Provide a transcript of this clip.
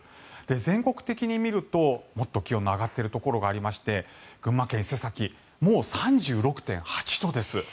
全国的に見るともっと気温の上がっているところがありまして群馬県伊勢崎もう３６．８度です。